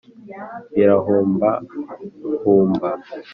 birahumbahumba